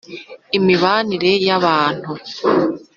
imibanire y‟abantu